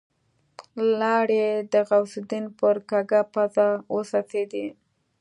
لاړې د غوث الدين پر کږه پزه وڅڅېدې.